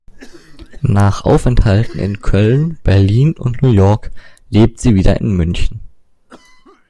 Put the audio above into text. Nach Aufenthalten in Köln, Berlin und New York lebt sie wieder in München.